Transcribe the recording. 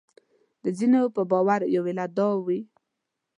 د ځینو په باور یو علت دا وي.